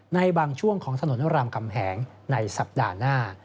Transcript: ในบางช่วงของถนนรามคำแหงในสัปดาห์หน้า